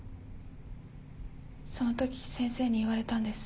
そのとき先生に言われたんです。